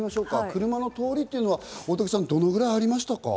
車の通りはどのくらいありましたか？